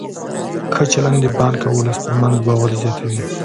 ښه چلند د بانک او ولس ترمنځ باور زیاتوي.